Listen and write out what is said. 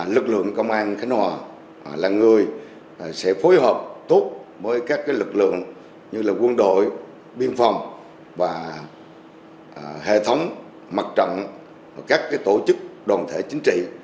lực lượng công an khánh hòa là người sẽ phối hợp tốt với các lực lượng như quân đội biên phòng và hệ thống mặt trận các tổ chức đoàn thể chính trị